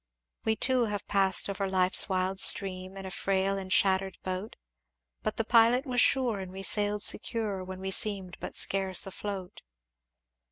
"'We too have passed over life's wild stream In a frail and shattered boat, But the pilot was sure and we sailed secure When we seemed but scarce afloat.